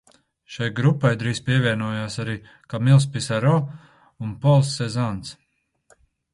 Šai grupai drīz pievienojās arī Kamils Pisaro un Pols Sezans.